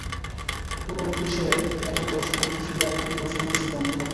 কোনো বিষয়ে একজন বয়স্ক মানুষের সঙ্গে আরেকজন বয়স্ক মানুষের দ্বন্দ্ব থাকতে পারে।